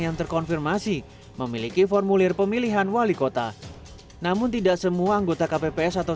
yang terkonfirmasi memiliki formulir pemilihan wali kota namun tidak semua anggota kpps atau